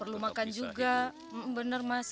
perlu makan juga bener mas